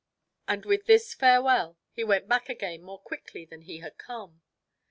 And with this farewell he went back again more quickly than he had come.